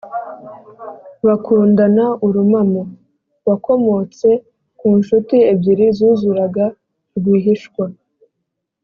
«bakundana urumamo». wakomotse ku nshuti ebyiri zuzuraga rwihishwa: